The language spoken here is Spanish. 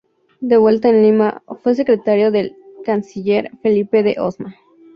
De vuelta en Lima, fue secretario del canciller Felipe de Osma.